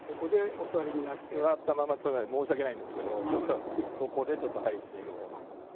座ったまま、申し訳ないんですけど、そこでちょっと配信を。